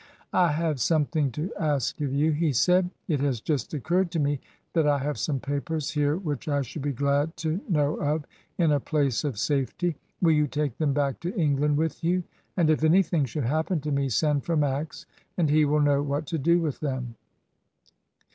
"I have something to ask of you," he said. "It has just occurred to me that I have some papers here which I should be glad to know of in a place of safety. Will you take them back to England with you? and if anything should happen to me send for Max, and he will know what to do with them.